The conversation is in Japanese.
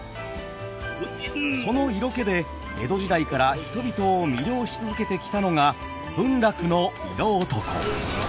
その色気で江戸時代から人々を魅了し続けてきたのが文楽の「色男」。